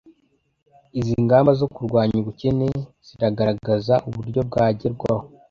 izi ngamba zo kurwanya ubukene ziragaragaza uburyo byagerwaho